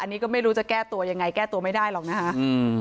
อันนี้ก็ไม่รู้จะแก้ตัวยังไงแก้ตัวไม่ได้หรอกนะคะอืม